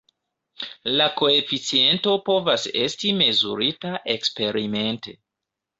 La koeficiento povas esti mezurita eksperimente.